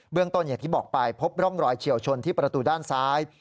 ต้นอย่างที่บอกไปพบร่องรอยเฉียวชนที่ประตูด้านซ้าย